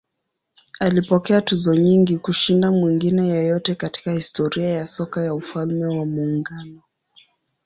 Alipokea tuzo nyingi kushinda mwingine yeyote katika historia ya soka ya Ufalme wa Muungano.